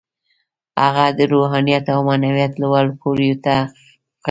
هغه د روحانيت او معنويت لوړو پوړيو ته خېژوي.